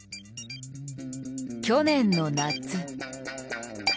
去年の夏。